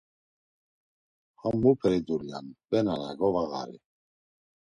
Ham muperi dulya’n be nana govağari!